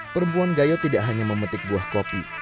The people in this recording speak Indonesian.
perempuan gayo tidak hanya memetik buah kopi